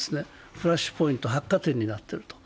フラッシュポイント、発火点になっている。